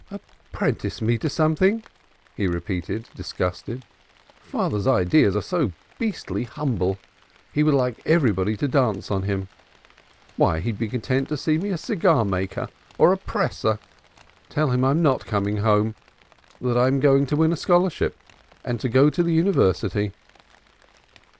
"Apprentice me to something!" he repeated, disgusted. "Father's ideas are so beastly humble. He would like everybody to dance on him. Why he'd be content to see me a cigar maker or a presser. Tell him I'm not coming home, that I'm going to win a scholarship and to go to the University."